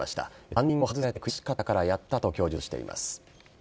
担任を外されて悔しかったからやったと供述しています。